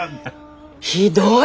ひどい！